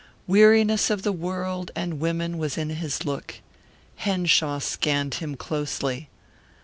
Weariness of the world and women was in his look. Henshaw scanned him closely.